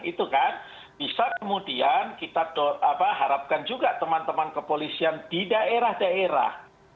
itu kan bisa kemudian kita harapkan juga teman teman kepolisian di daerah daerah